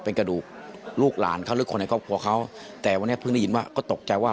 เป็นกระดูกลูกหลานเขาหรือคนในครอบครัวเขาแต่วันนี้เพิ่งได้ยินว่าก็ตกใจว่า